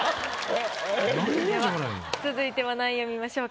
続いては何位を見ましょうか？